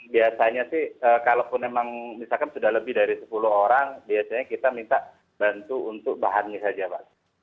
biasanya sih kalaupun memang misalkan sudah lebih dari sepuluh orang biasanya kita minta bantu untuk bahannya saja pak